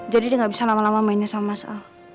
jadi dia gak bisa lama lama mainnya sama mas al